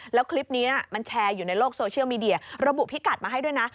แล้วคลิปนี้มันแชร์อยู่ในโลกโซเชียลมีเดียระบุพิกัดมาให้ด้วยนะ